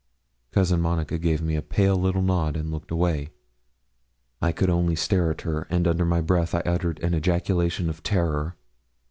Cousin Monica gave me a pale little nod, and looked away. I could only stare at her; and under my breath I uttered an ejaculation of terror.